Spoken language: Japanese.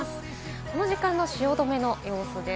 この時間、汐留の様子です。